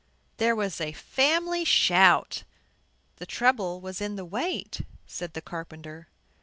There was a family shout. "The trouble was in the weight," said the carpenter.